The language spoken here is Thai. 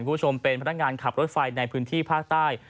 คุณผู้ชมเป็นพนักงานขับรถไฟในพื้นที่ภาคใต้